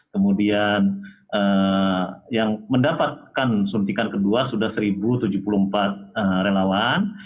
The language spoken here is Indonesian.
kemudian yang mendapatkan suntikan kedua sudah satu tujuh puluh empat relawan